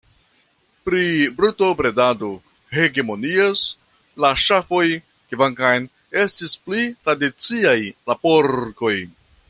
Pri brutobredado hegemonias la ŝafoj, kvankam estis pli tradiciaj la porkoj.